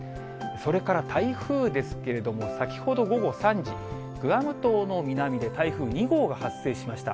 それから台風ですけれども、先ほど午後３時、グアム島の南で台風２号が発生しました。